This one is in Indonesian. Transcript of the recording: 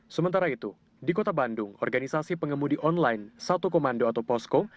sementara itu di kota bandung organisasi pengemudi online satu komando atau posko